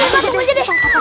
bung luana itu nggak jadi